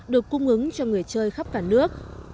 được cung ứng cho người chơi khắp cả nước